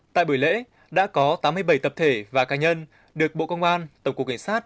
tại buổi lễ đã có tám mươi bảy tập thể và cá nhân được bộ công an tổng cục cảnh sát